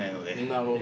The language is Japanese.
なるほど。